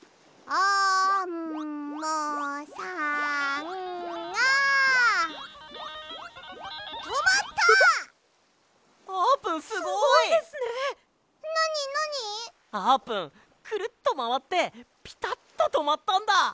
あーぷんくるっとまわってピタッととまったんだ！